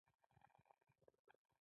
مار غوښتل چې ونې ته وخېژي.